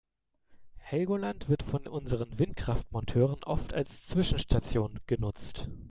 Helgoland wird von unseren Windkraftmonteuren oft als Zwischenstation genutzt.